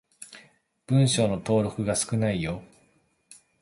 文章の登録が少ないよ。